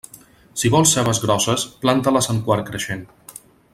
Si vols cebes grosses, planta-les en quart creixent.